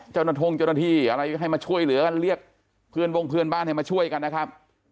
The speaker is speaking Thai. เจ้าหน้าที่อะไรให้มาช่วยเหลือกันเรียกเพื่อนวงเพื่อนบ้านให้มาช่วยกันนะครับ